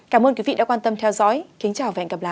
cảm ơn quý vị đã quan tâm theo dõi kính chào và hẹn gặp lại